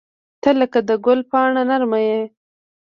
• ته لکه د ګل پاڼه نرمه یې.